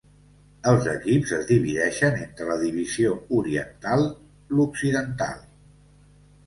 Els equips es divideixen entre la divisió oriental l'occidental.